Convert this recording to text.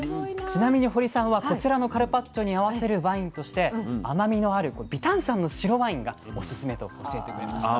ちなみに堀さんはこちらのカルパッチョに合わせるワインとして甘みのある微炭酸の白ワインがおすすめと教えてくれました。